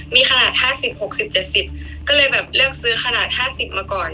มีขนาด๕๐๖๐๗๐ก็เลยแบบเลือกซื้อขนาด๕๐มาก่อน